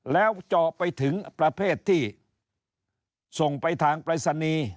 แล้วเจาะไปถึงประเภทที่ส่งไปทางปรายศนีย์